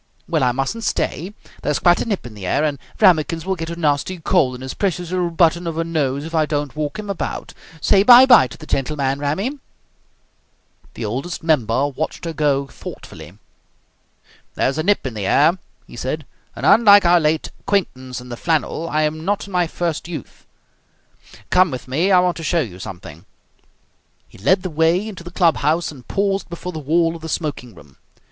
Well, I mustn't stay. There's quite a nip in the air, and Rammikins will get a nasty cold in his precious little button of a nose if I don't walk him about. Say 'Bye bye' to the gentleman, Rammy!" The Oldest Member watched her go thoughtfully. "There is a nip in the air," he said, "and, unlike our late acquaintance in the flannel, I am not in my first youth. Come with me, I want to show you something." He led the way into the club house, and paused before the wall of the smoking room.